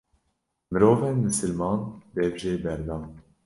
mirovên misliman dev jê berdan.